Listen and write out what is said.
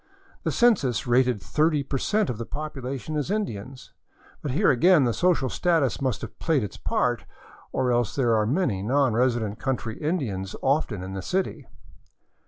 The census rated 30% of the population as Indians ; but here again the social status must have played its part, or else there are many non resident country Indians often in the city.